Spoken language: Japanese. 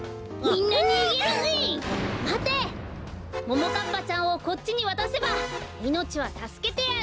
ももかっぱちゃんをこっちにわたせばいのちはたすけてやる！